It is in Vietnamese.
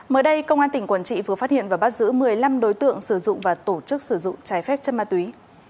mới đây công an tỉnh quảng trị vừa phát hiện và bắt giữ một mươi năm đối tượng sử dụng và tổ chức sử dụng trái phép chất ma túy